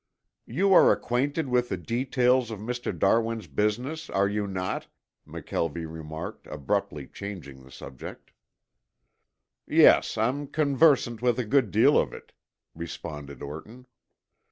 "You are acquainted with the details of Mr. Darwin's business, are you not?" McKelvie remarked, abruptly changing the subject. "Yes, I'm conversant with a good deal of it," responded Orton.